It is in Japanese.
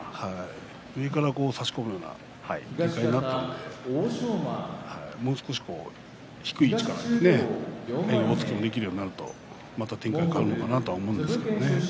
右から差し込むような展開になったので、もう少し低い位置から押っつけるようになるとまた展開が変わるのかなと思うんですけどね。